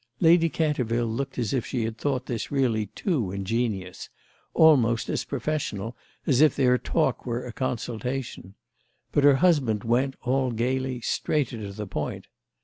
Lady Canterville looked as if she thought this really too ingenious, almost as professional as if their talk were a consultation; but her husband went, all gaily, straighter to the point.